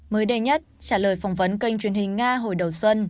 mới đây nhất trả lời phỏng vấn kênh truyền hình nga hồi đầu xuân